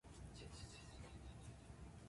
Berani karena benar, takut karena salah